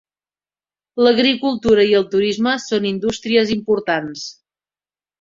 L'agricultura i el turisme són indústries importants.